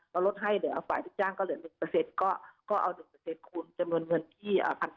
ลดให้เดี๋ยวฝ่ายลูกจ้างก็เหลือ๑ก็เอา๑คูณจำนวนเงินที่๑๘๐